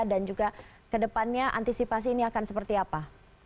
dan juga kedepannya antisipasi ini akan seperti apa